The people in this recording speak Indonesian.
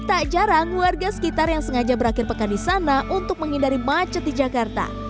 tak jarang warga sekitar yang sengaja berakhir pekan di sana untuk menghindari macet di jakarta